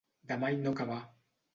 De mai no acabar.